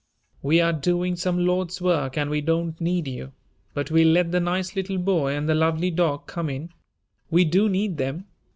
"We are doing some Lord's work and we don't need you, but we'll let the nice little boy and the lovely dog come in. We do need them.